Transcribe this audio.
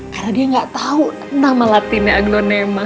karena dia gak tau nama latinnya aglonema